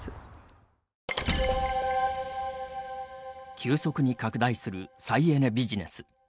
急速に拡大する再エネビジネス。